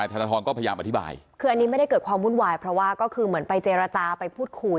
อันนี้ไม่ได้เกิดความวุ่นวายเพราะว่าก็คือเหมือนไปเจรจาไปพูดคุย